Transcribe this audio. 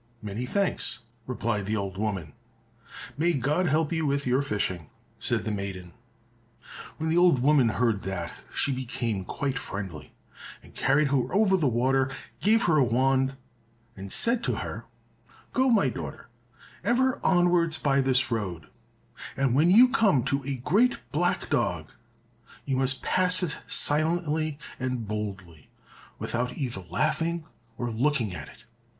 "Many thanks," replied the old woman. "May God help you with your fishing," said the maiden. When the old woman heard that, she became quite friendly, and carried her over the water, gave her a wand, and said to her, "Go, my daughter, ever onwards by this road, and when you come to a great black dog, you must pass it silently and boldly, without either laughing or looking at it.